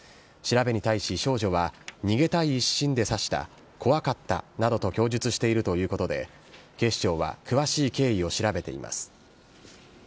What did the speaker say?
調べに対し、少女は逃げたい一心で刺した、怖かったなどと供述しているということで、警視庁は詳しい経緯を調べています。